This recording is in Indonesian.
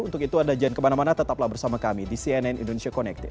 untuk itu anda jangan kemana mana tetaplah bersama kami di cnn indonesia connected